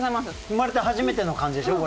生まれて初めての感じでしょ？